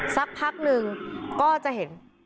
สักพักหนึ่งก็จะเห็น